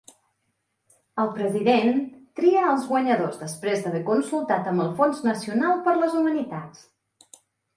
El President tria els guanyadors després d'haver consultat amb el Fons Nacional per a les Humanitats.